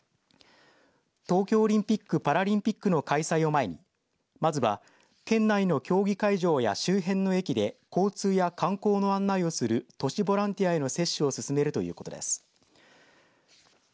東京オリンピック・パラリンピックの開催を前にまずは県内の競技会場や周辺の駅で交通や観光の案内をする都市ボランティアへの接種を進めるということです。